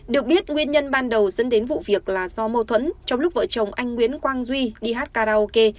được biết nguyên nhân ban đầu dẫn đến vụ việc là do mâu thuẫn trong lúc vợ chồng anh nguyễn quang duy đi hát karaoke